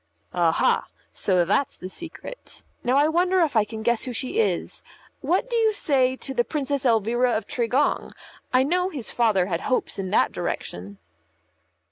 "Aha! So that's the secret. Now I wonder if I can guess who she is. What do you say to the Princess Elvira of Tregong? I know his father had hopes in that direction."